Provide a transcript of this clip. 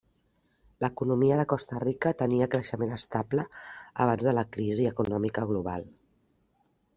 L'economia de Costa Rica tenia creixement estable abans de la crisi econòmica global.